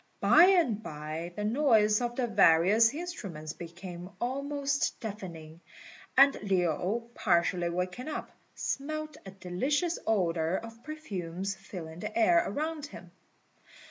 By and by the noise of the various instruments became almost deafening, and Lin, partially waking up, smelt a delicious odour of perfumes filling the air around him.